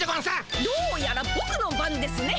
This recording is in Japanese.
どうやらぼくの番ですね。